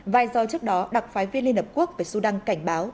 vài giờ trước đó đặc phái viên liên hợp quốc về sudan cảnh báo